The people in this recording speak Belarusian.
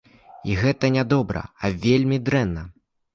І гэта не добра, а вельмі дрэнна.